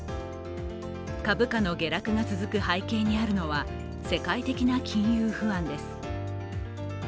株価の下落が続く背景にあるのは世界的な金融不安です。